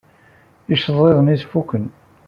Iceḍḍiḍen-nnes fuken.